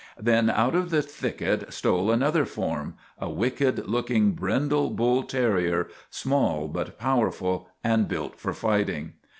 Then out of the thicket stole another form, a wicked looking, brindle bull terrier, small but power ful, and built for fighting.